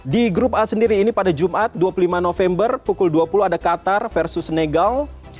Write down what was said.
di grup a sendiri ini pada jumat dua puluh lima november pukul dua puluh ada qatar versus negal